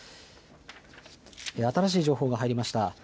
新しい情報が入りました。